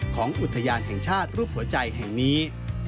อุทยานแห่งชาติรูปหัวใจแห่งนี้